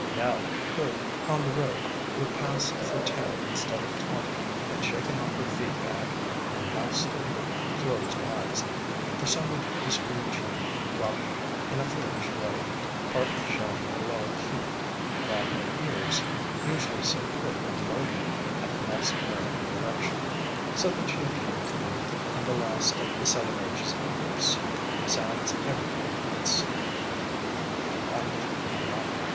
Nell, who, on the road, would pass for ten instead of twenty, had shaken off her feed bag and now stood with closed eyes. Her somewhat whiskery chin dropped in a foolish way, partly showing her lower teeth, while her ears, usually so pert and mobile, had lost nerve and direction •, so that she appeared 58 ALONG THE WATERWAYS to be in the last of the seven ages of a horse, sans everything but sleep, I laughed aloud.